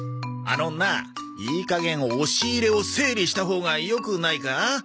あのないい加減押し入れを整理したほうがよくないか？